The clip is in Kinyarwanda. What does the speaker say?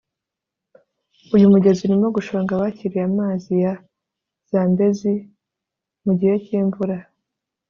uyu mugezi urimo gushonga, wakiriye amazi ya zambezi mu gihe cy'imvura